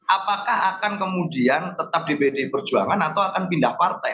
apakah akan kemudian tetap di pdi perjuangan atau akan pindah partai